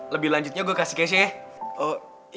lebih lanjutnya gue kasih kesha ya